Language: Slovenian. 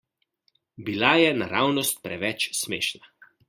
Bila je naravnost preveč smešna.